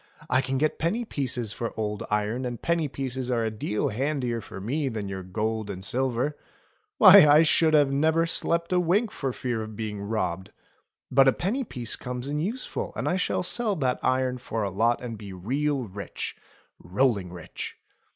I can get penny pieces for old iron, and penny pieces are a deal handier for me than your gold and silver. Why ! I should never have slept a wink for fear of being robbed. But a penny piece comes in useful, and I shall sell that iron for a lot and be real rich — rolling rich."